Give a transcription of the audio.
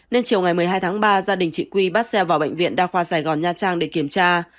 nên chiều ngày một mươi hai tháng ba gia đình chị quy bắt xe vào bệnh viện đa khoa sài gòn nha trang để kiểm tra